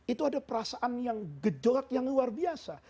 itu ada perasaan yang gejolak yang luar biasa